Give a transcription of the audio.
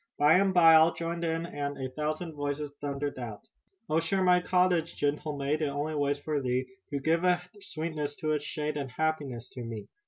By and by all joined and a thousand voices thundered out: "Oh, share my cottage, gentle maid, It only waits for thee To give a sweetness to its shade And happiness to me.